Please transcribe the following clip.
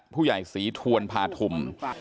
ผู้ใหญ่ศรีทวนพาธุม